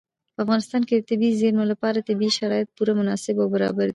په افغانستان کې د طبیعي زیرمې لپاره طبیعي شرایط پوره مناسب او برابر دي.